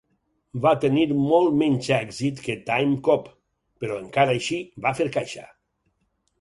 Va tenir molt menys èxit que "Timecop", però encara així va fer caixa.